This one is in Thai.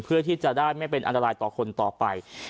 เพื่อที่จะได้ไม่เป็นอันตรายต่อคนต่อไป